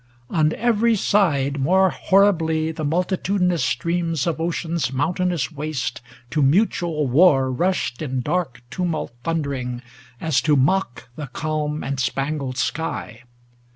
On every side 340 More horribly the multitudinous streams Of ocean's mountainous waste to mutual war Rushed in dark tumult thundering, as to mock The calm and spangled sky.